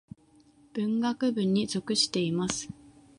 文学部に属しています。